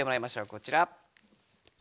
こちら。